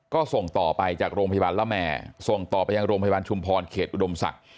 ก็ส่งต่อไปจากโรงพยาบาลละแม่ส่งต่อไปยังโรงพยาบาลชุมพรเขตอุดมศักดิ์